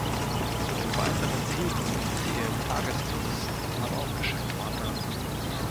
Zu den weiteren Zielgruppen zählen Tagestouristen aber auch Geschäftspartner.